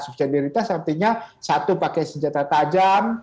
subsediritas artinya satu pakai senjata tajam